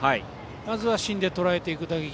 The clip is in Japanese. まずは、芯でとらえていく打撃。